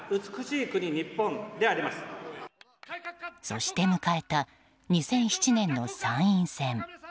そして迎えた２００７年の参院選。